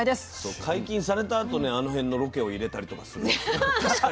解禁されたあとねあの辺のロケを入れたりとかするんですよね。